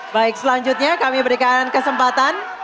baik selanjutnya kami berikan kesempatan